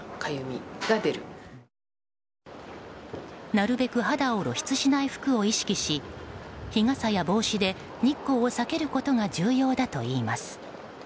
なるべく肌を露出しない服を意識し日傘や帽子で日光を避けることが重要だといいます。